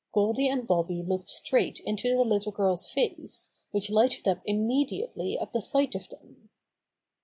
Goldy and Bobby looked straight into the little girl's face, which lighted up immediately at the sight of them.